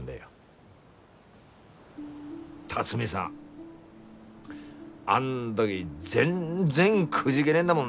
「龍己さんあん時全然くじげねえんだもんなぁ」